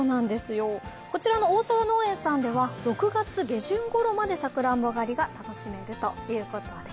こちらの大沢農園さんでは６月下旬ごろまでさくらんぼ狩りが楽しめるということです。